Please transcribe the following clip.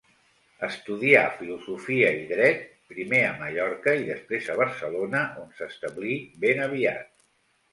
Estudià filosofia i dret, primer a Mallorca i després a Barcelona, on s'establí ben aviat.